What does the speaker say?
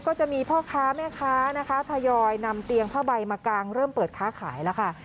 ก็จะมีพ่อค้าแม่ค้านะคะทยอยนำเตียงผ้าใบมากางเริ่มเปิดค้าขายแล้วค่ะ